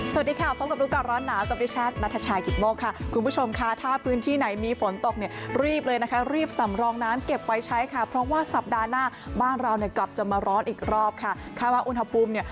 สวัสดีค่ะพบกับรู้ก่อนร้อนหนาวกับดิฉันนัทชายกิตโมกค่ะคุณผู้ชมค่ะถ้าพื้นที่ไหนมีฝนตกเนี่ยรีบเลยนะคะรีบสำรองน้ำเก็บไว้ใช้ค่ะเพราะว่าสัปดาห์หน้าบ้านเราเนี่ยกลับจะมาร้อนอีกรอบค่ะคาดว่าอุณหภูมิเนี่ย